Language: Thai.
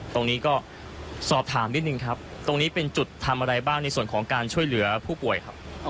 ตรงนี้ก็สอบถามนิดนึงครับตรงนี้เป็นจุดทำอะไรบ้างในส่วนของการช่วยเหลือผู้ป่วยครับ